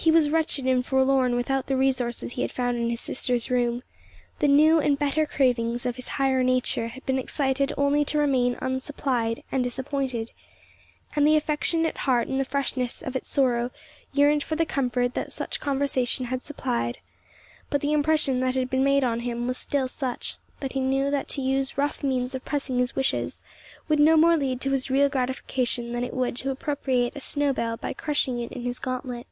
He was wretched and forlorn without the resources he had found in his sister's room; the new and better cravings of his higher nature had been excited only to remain unsupplied and disappointed; and the affectionate heart in the freshness of its sorrow yearned for the comfort that such conversation had supplied: but the impression that had been made on him was still such, that he knew that to use rough means of pressing his wishes would no more lead to his real gratification than it would to appropriate a snow bell by crushing it in his gauntlet.